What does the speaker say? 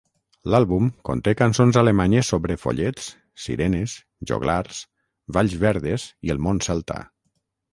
L'àlbum conté cançons alemanyes sobre follets, sirenes, joglars, valls verdes i el món celta.